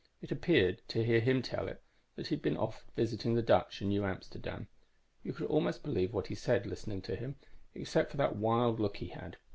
It appeared, to hear him tell it, that he had been off visiting the Dutch in New Amsterdam. You could almost believe what he said, listening to him, except for that wild look he had.